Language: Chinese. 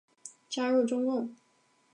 加入中共。